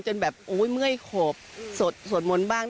จนแบบเมื่อยขบสวดมนตร์บ้าง